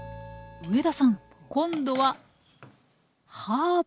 上田さん今度はハーブですか？